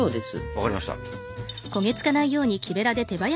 分かりました。